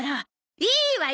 いいわよ